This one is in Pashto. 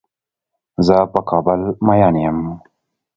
زۀ په کابل مين يم.